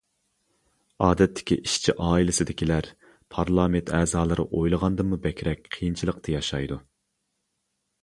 ئادەتتىكى ئىشچى ئائىلىسىدىكىلەر پارلامېنت ئەزالىرى ئويلىغاندىنمۇ بەكرەك قىيىنچىلىقتا ياشايدۇ.